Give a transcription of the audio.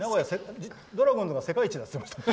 ドラゴンズが世界一だって言ってました。